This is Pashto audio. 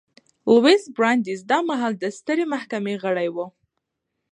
لویس براندیز دا مهال د سترې محکمې غړی و.